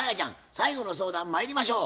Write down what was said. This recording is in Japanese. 最後の相談まいりましょう。